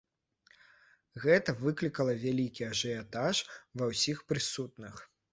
Гэта выклікала вялікі ажыятаж ва ўсіх прысутных.